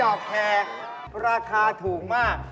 ของพี่ดีกว่าดอกแฮส์